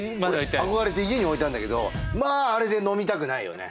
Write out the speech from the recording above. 憧れて家に置いてあるんだけどまああれで飲みたくないよね